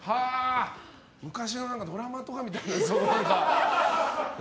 昔のドラマとかみたいですね。